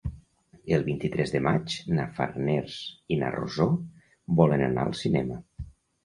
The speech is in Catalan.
El vint-i-tres de maig na Farners i na Rosó volen anar al cinema.